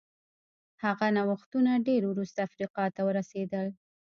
هغه نوښتونه ډېر وروسته افریقا ته ورسېدل.